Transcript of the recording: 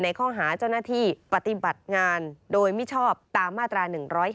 ข้อหาเจ้าหน้าที่ปฏิบัติงานโดยมิชอบตามมาตรา๑๔